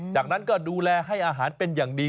จากนั้นก็ดูแลให้อาหารเป็นอย่างดี